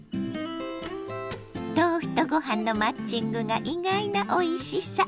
豆腐とご飯のマッチングが意外なおいしさ。